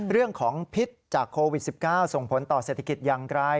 พิษจากโควิด๑๙ส่งผลต่อเศรษฐกิจอย่างไร